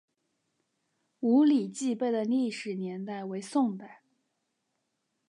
五礼记碑的历史年代为宋代。